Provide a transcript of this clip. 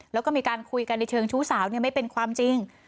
แล้วก็มีการคุยกันในเชิงชู้สาวไม่เป็นความจริง